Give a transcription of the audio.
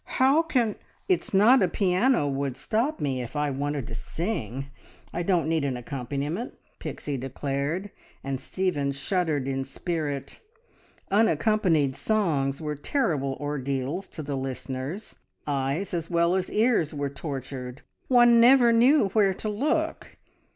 "How can " "It's not a piano would stop me, if I wanted to sing. I don't need an accompaniment," Pixie declared, and Stephen shuddered in spirit. Unaccompanied songs were terrible ordeals to the listeners. Eyes as well as ears were tortured. One never knew where to look!